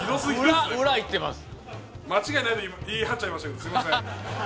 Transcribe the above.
間違いないと言い張っちゃいましたけどすいません。